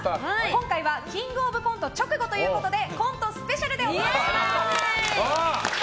今回は「キングオブコント」の直後ということでコントスペシャルでお送りします。